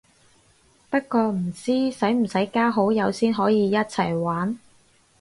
不過唔知使唔使加好友先可以一齊玩